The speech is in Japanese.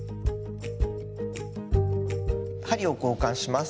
針を交換します。